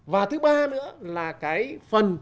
và thứ ba nữa là cái phần